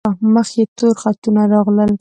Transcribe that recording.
مخ یې تور خطونه راغلل.